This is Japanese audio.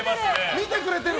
見てくれてる！